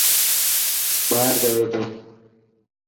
ٻاهر گيو ٿو.